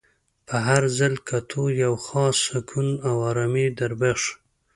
په هر ځل کتو یو خاص سکون او ارامي در بخښي.